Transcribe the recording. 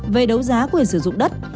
về đấu giá quyền sử dụng đất